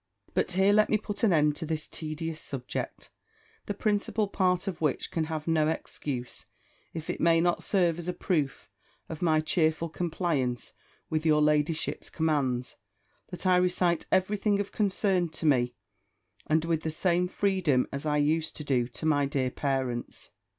But here let me put an end to this tedious subject; the principal part of which can have no excuse, if it may not serve as a proof of my cheerful compliance with your ladyship's commands, that I recite every thing of concern to me, and with the same freedom as I used to do to my dear parents.